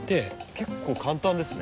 結構簡単ですね。